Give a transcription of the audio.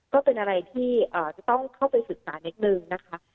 ก็เป็นอะไรที่จะต้องเข้าไปศึกษานิดนึงนะคะ